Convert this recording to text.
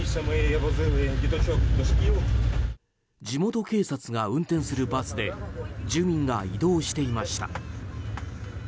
地元警察が運転するバスで住民が移動していました。